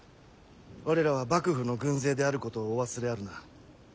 我らは幕府の軍勢であることをお忘れあるな。